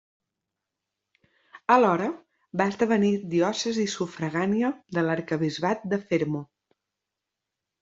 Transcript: Alhora, va esdevenir diòcesi sufragània de l'arquebisbat de Fermo.